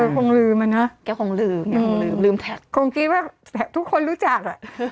คงลืมแล้วนะ็กินว่าแท็กท์ทุกคนรู้จัก